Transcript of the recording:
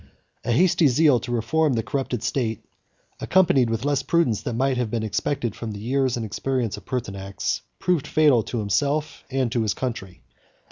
A hasty zeal to reform the corrupted state, accompanied with less prudence than might have been expected from the years and experience of Pertinax, proved fatal to himself and to his country.